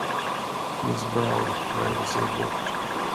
Miss Brown vände sig bort.